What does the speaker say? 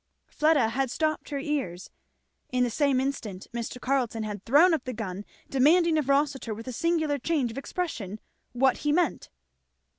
Fleda had stopped her ears. In the same instant Mr. Carleton had thrown up the gun, demanding of Rossitur with a singular change of expression "what he meant!"